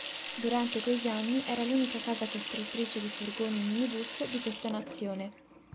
Durante quegli anni era l'unica casa costruttrice di furgoni e minibus di questa nazione.